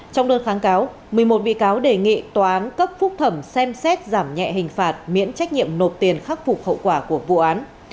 trong đơn kháng cáo một mươi một bị cáo đề nghị tòa án cấp phúc thẩm xem xét giảm nhẹ hình phạt miễn trách nhiệm nộp tiền khắc phục hậu quả của vụ án